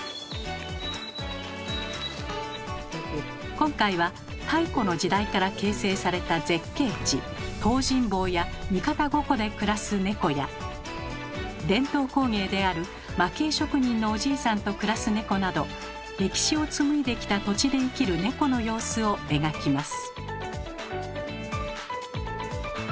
今回は太古の時代から形成された絶景地東尋坊や三方五湖で暮らすネコや伝統工芸である蒔絵職人のおじいさんと暮らすネコなど歴史を紡いできた土地で生きるネコの様子を描きます。